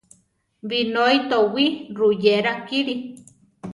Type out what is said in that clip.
Binói towí ruyéra kili.